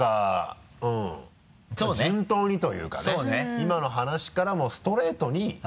今の話からもうストレートに。